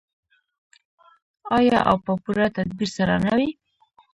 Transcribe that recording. آیا او په پوره تدبیر سره نه وي؟